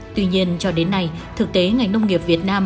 tuy nhiên cho đến nay thực tế ngành nông nghiệp việt nam